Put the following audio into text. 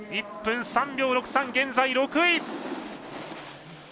１分３秒６３と現在６位。